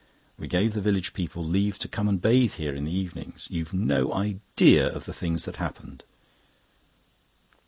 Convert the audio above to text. We gave the village people leave to come and bathe here in the evenings. You've no idea of the things that happened."